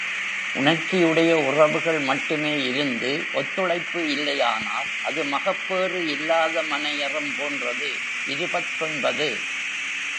உணர்ச்சி உடைய உறவுகள் மட்டுமே இருந்து, ஒத்துழைப்பு இல்லையானால் அது மகப்பேறு இல்லாத மனையறம் போன்றது · இருபத்தொன்பது.